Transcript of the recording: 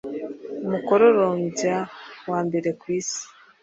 umukororombya wa mbere kwisi